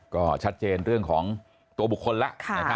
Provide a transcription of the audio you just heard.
ก็ชัดเจนเรื่องของตัวบุคคลแล้ว